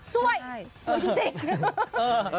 สวยสวยจริง